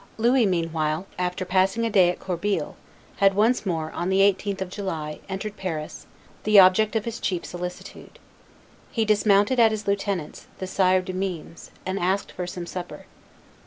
Louis, meanwhile, after passing a day at Corbeil, had once more, on the 18th of July, entered Paris, the object of his chief solicitude. He dismounted at his lieutenant's, the Sire de Meinn's, and asked for some supper.